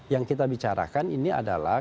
yang kita bicarakan ini adalah